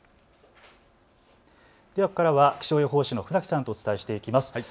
ここからは気象予報士の船木さんとお伝えしていきます。